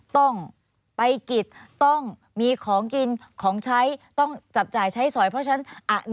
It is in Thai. ต้องไปกิจต้องมีของกินของใช้ต้องจับจ่ายใช้สอยเพราะฉะนั้น